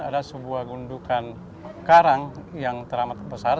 ada sebuah gundukan karang yang teramat besar